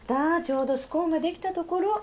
ちょうどスコーンができたところ。